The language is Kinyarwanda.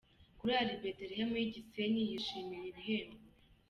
Korali Bethlehem y'i Gisenyi yishimira igihembo.